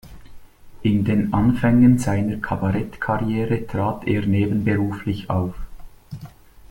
In den Anfängen seiner Kabarett-Karriere trat er nebenberuflich auf.